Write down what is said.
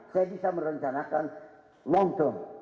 saya bisa merencanakan long term